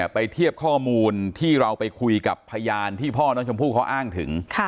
ไปเทียบข้อมูลที่เราไปคุยกับพยานที่พ่อน้องชมพู่เขาอ้างถึง